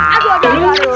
aduh aduh aduh